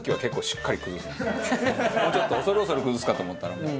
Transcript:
もうちょっと恐る恐る崩すかと思ったらもう。